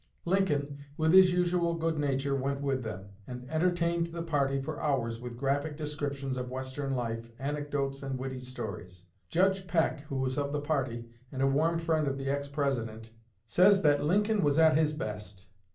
Lincoln, with his usual good nature, went with them, and entertained the party for hours with graphic descriptions of Western life, anecdotes and witty stories. Judge Peck, who was of the party, and a warm friend of the ex President, says that Lincoln was at his best.